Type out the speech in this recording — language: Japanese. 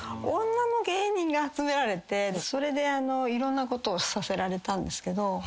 女の芸人が集められてそれでいろんなことをさせられたんですけど。